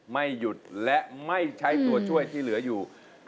ไม่หยุดและไม่ใช้ตัวช่วยที่เหลืออยู่